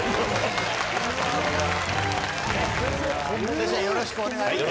先生よろしくお願いいたします。